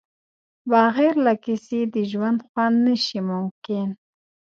بغیر له کیسې د ژوند خوند نشي ممکن.